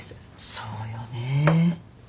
そうよね。